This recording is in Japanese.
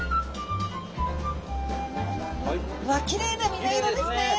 わっきれいな身の色ですね。